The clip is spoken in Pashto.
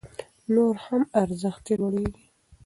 نور هم ارزښت يې لوړيږي